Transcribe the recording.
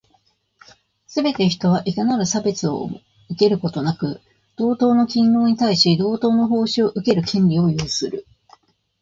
すべて人は、いかなる差別をも受けることなく、同等の勤労に対し、同等の報酬を受ける権利を有する。